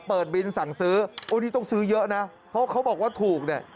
เปิดบินสั่งซื้อโอ้นี่ต้องซื้อเยอะนะเพราะเขาบอกว่าถูกเนี่ย